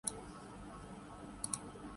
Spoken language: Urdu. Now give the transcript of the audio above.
محفل ختم ہوئی تو آپ اپنے گھر گئے۔